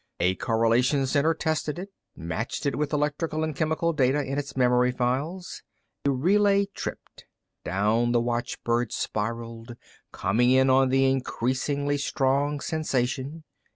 A correlation center tested it, matching it with electrical and chemical data in its memory files. A relay tripped. Down the watchbird spiraled, coming in on the increasingly strong sensation.